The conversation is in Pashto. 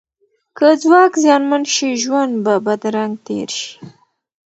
که ځواک زیانمن شي، ژوند به بدرنګ تیر شي.